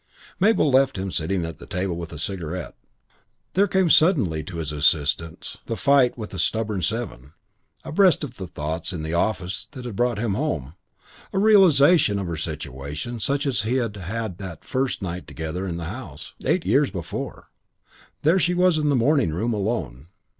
Mabel left him sitting at the table with a cigarette. There came suddenly to his assistance in the fight with the stubborn seven, abreast of the thoughts in the office that had brought him home, a realisation of her situation such as he had had that first night together in the house, eight years before; there she was in the morning room, alone.